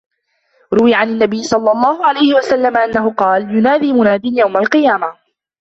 رُوِيَ عَنْ النَّبِيِّ صَلَّى اللَّهُ عَلَيْهِ وَسَلَّمَ أَنَّهُ قَالَ يُنَادِي مُنَادٍ يَوْمَ الْقِيَامَةِ